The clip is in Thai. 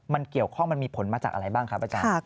มันเกี่ยวข้องมันมีผลมาจากอะไรบ้างครับอาจารย์